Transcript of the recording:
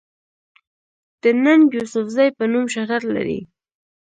د “ ننګ يوسفزۍ” پۀ نوم شهرت لري